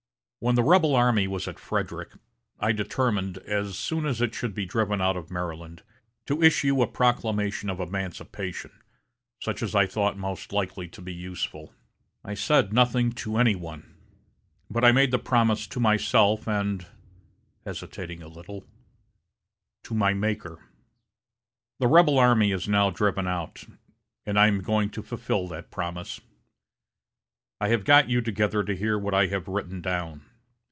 When the rebel army was at Frederick, I determined, as soon as it should be driven out of Maryland, to issue a proclamation of emancipation, such as I thought most likely to be useful. I said nothing to any one, but I made the promise to myself and [hesitating a little] to my Maker. The rebel army is now driven out, and I am going to fulfil that promise. I have got you together to hear what I have written down.